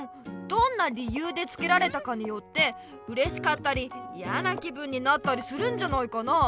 どんな理由でつけられたかによってうれしかったりいやな気分になったりするんじゃないかなあ。